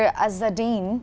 dạ chắc chắn